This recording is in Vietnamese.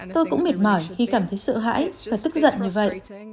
tôi cũng mệt mỏi khi cảm thấy sợ hãi và tức giận như vậy